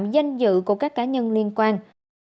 danh dự của các cá nhân liên quan